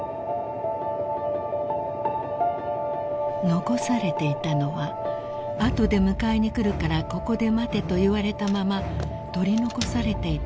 ［残されていたのは後で迎えにくるからここで待てと言われたまま取り残されていた体の不自由な人々でした］